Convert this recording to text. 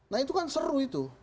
nah itu kan seru itu